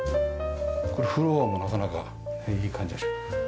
これフロアもなかなかいい感じがします。